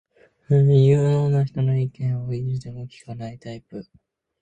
有能な人の意見を意地でも聞かないタイプ